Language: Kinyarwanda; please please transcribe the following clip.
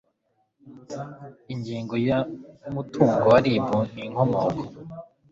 Ingingo ya Umutungo wa RIB n inkomoko